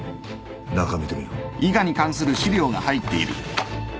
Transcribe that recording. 中見てみろ。